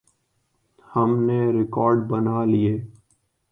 ہم نے راکٹ بنا لیے۔